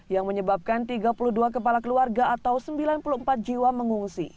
yang menyebabkan tiga puluh dua kepala keluarga atau sembilan puluh empat jiwa mengungsi